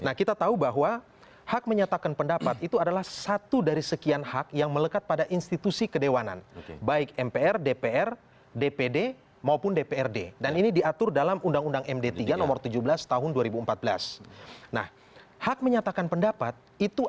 harus banyak belajar terhadap keinginan keinginan para nelayan itu